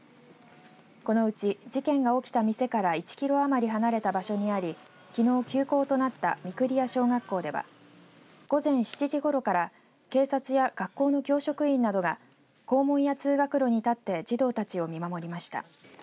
このうち、事件が起きた店から１キロ余り離れた場所にありきのう休校となった御厨小学校では午前７時ごろから警察や学校の教職員などが校門や通学路に立って児童たちを見守りました。